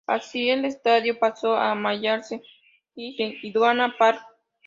Así, el estadio pasó a llamarse Signal Iduna Park.